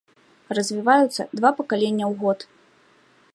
Развіваюцца два пакалення ў год.